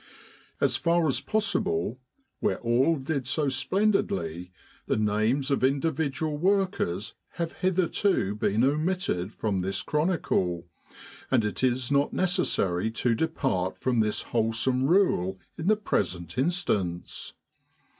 As far as possible, where all did so splendidly, the names of individual workers have hitherto been omitted from this chronicle, and it is not necessary to depart from this wholesome rule in the present instance.